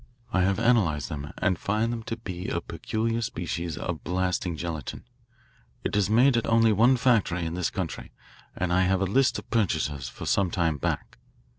I have analysed them, and find them to be a peculiar species of blasting gelatine. It is made at only one factory in this country, and I have a list of purchasers for some time back.